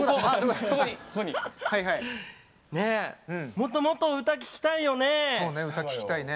もっともっと歌聴きたいよね！